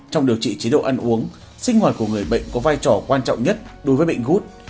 trong điều trị chế độ ăn uống sinh hoạt của người bệnh có vai trò quan trọng nhất đối với bệnh gút